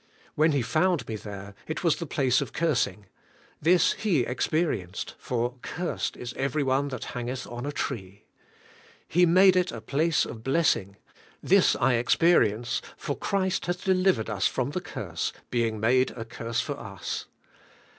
When He found me there, it was the place of cursing; this He experienced, for * cursed is every one that hangeth on a tree.' He made it a place of bless ing; this I experience, for Christ hath delivered us from the curse, being made a curse for us.